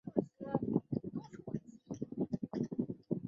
叶锡安曾任孖士打律师行主席及首席合夥人。